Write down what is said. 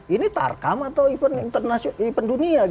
ini tarkam atau event dunia